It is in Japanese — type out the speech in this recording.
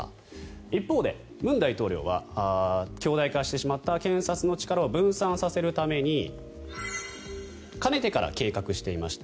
一方で文大統領は強大化してしまった検察の力を分散させるためにかねてから計画していました